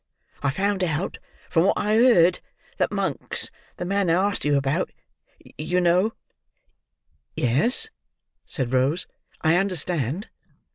I found out, from what I heard, that Monks—the man I asked you about, you know—" "Yes," said Rose, "I understand."